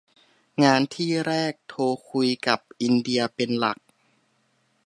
งานที่แรกโทรคุยกับอินเดียเป็นหลัก